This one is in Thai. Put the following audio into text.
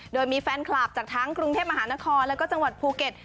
โดยมีแฟนคลับจากทั้งกรุงเทพมหานครแล้วก็จังหวัดภูเก็ต